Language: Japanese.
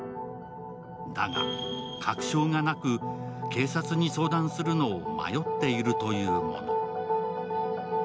だが、確証がなく、警察に相談するのを迷っているというもの。